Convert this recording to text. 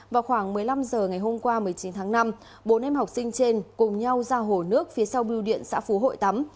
vào khoảng một mươi năm h ngày hôm qua một mươi chín tháng năm bốn em học sinh trên cùng nhau ra hồ nước phía sau biêu điện xã phú hội tắm